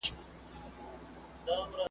شاته هیڅ څوک نه سي تللای دا قانون دی `